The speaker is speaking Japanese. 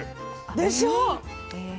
でしょ？